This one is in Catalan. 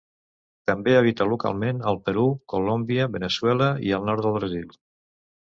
També habita localment al Perú, Colòmbia, Veneçuela i el nord del Brasil.